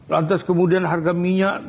lantas kemudian harga minyak